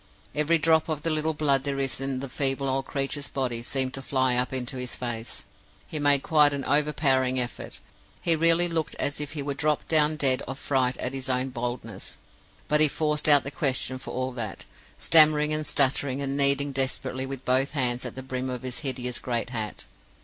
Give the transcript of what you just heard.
Every drop of the little blood there is in the feeble old creature's body seemed to fly up into his face. He made quite an overpowering effort; he really looked as if he would drop down dead of fright at his own boldness; but he forced out the question for all that, stammering, and stuttering, and kneading desperately with both hands at the brim of his hideous great hat.